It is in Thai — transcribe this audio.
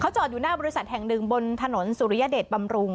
จอดอยู่หน้าบริษัทแห่งหนึ่งบนถนนสุริยเดชบำรุง